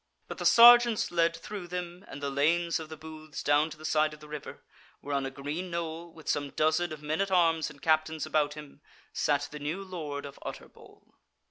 But the sergeants led through them and the lanes of the booths down to the side of the river, where on a green knoll, with some dozen of men at arms and captains about him, sat the new Lord of Utterbol.